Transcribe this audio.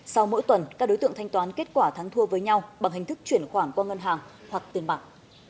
sau mỗi tuần các đối tượng thanh toán kết quả thắng thua với nhau bằng hình thức chuyển khoản qua ngân hàng hoặc tiền bạc